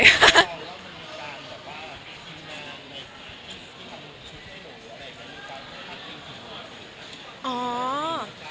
แล้วมันมีการแบบว่าทิ้งงานในที่ทำชุดให้หนูอะไรก็มีการทักลิ่งทุกคน